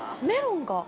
メロンが。